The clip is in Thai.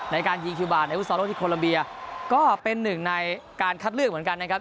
ในการยิงคิวบาร์ในวุศลที่โคลัมเบียก็เป็นหนึ่งในการคัดเลือกเหมือนกันนะครับ